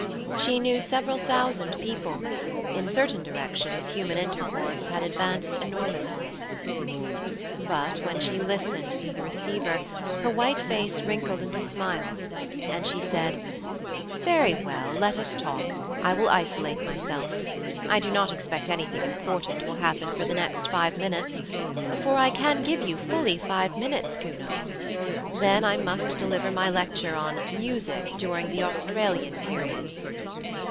She knew several thousand people, in certain directions human intercourse had advanced enormously. But when she listened into the receiver, her white face wrinkled into smiles, and she said: 'Very well. Let us talk, I will isolate myself. I do not expect anything important will happen for the next five minutes for I can give you fully five minutes, Kuno. Then I must deliver my lecture on "Music during the Australian Period".'